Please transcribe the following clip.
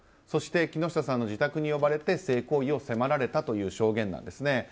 そして木下さんの自宅に呼ばれて性行為を迫られたという証言です。